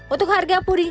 untuk harga puding